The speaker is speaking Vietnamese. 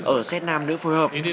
ở set nam nữ phối hợp